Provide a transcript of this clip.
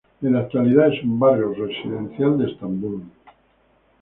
En la actualidad es un barrio residencial de Estambul.